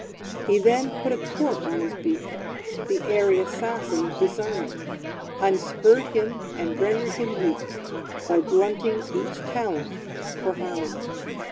He then put a cork on his beak, The airy assassin disarming, Unspurred him, and rendered him weak, By blunting each talent for harming.